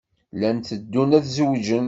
Llan teddun ad zewǧen.